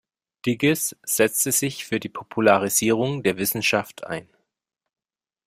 Digges setzte sich für die Popularisierung der Wissenschaft ein.